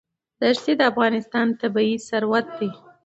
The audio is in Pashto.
ښتې د افغانستان طبعي ثروت دی.